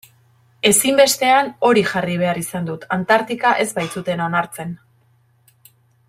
Ezinbestean hori jarri behar izan dut, Antartika ez baitzuten onartzen.